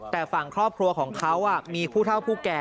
แต่ฝั่งครอบครัวของเขามีผู้เท่าผู้แก่